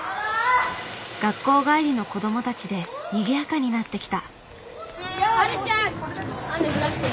学校帰りの子どもたちでにぎやかになってきた。